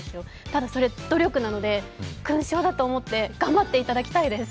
ただ、それ、努力なので勲章だと思って頑張っていただきたいです。